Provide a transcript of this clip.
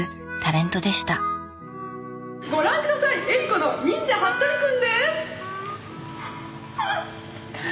ご覧下さいエリコの忍者ハットリくんです！